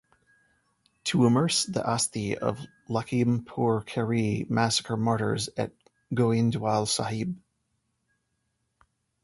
To immerse the asthi of Lakhimpur Kheri massacre martyrs at Goindwal Sahib.